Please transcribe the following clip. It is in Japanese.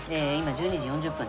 １２時４０分？